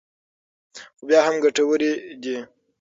خو بیا هم ګټورې دي.